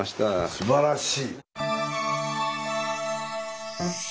すばらしい！